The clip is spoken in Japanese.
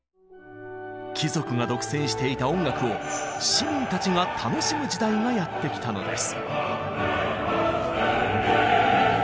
貴族が独占していた音楽を市民たちが楽しむ時代がやって来たのです。